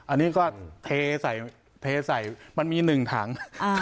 อันนี้ก็เทใส่มันมี๑ถัง